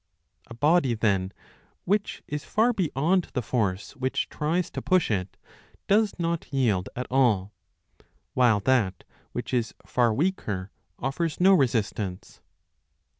A body, then, which is far beyond the force which tries to push it, does not yield at all ; while that which is far weaker offers no resistance.